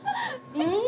うん！